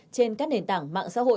trên các nền tảng mạng xã hội